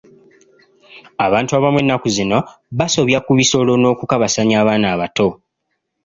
Abantu abamu ennaku zino basobya ku bisolo n'okukabasanya abaana abato.